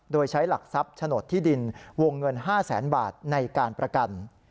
โดยใช้หลักทรัพย์โฉนดที่ดินวงเงิน๕แสนบาทในการประกัน